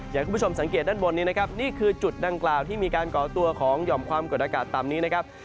อย่างคุณผู้ชมสังเกตด้านบนนี้นี่คือจุดดังกล่าวที่มีการกอตัวของยอมความเกิดอากาศต่ำนี้